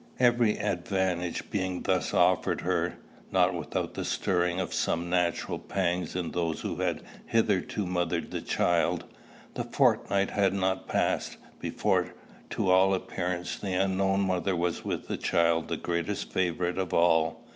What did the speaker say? Every advantage being thus afforded her, not without the stirring of some natural pangs in those who had hitherto mothered the child, the fortnight had not passed, before, to all appearance, the unknown mother was with the child the greatest favorite of all.